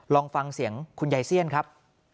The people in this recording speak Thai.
ลองฟังเสียงคุณยายเซียนครับ